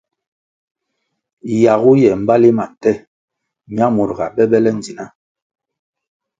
Yagu ye mbali ma nte ñamur ga be be le ndzna.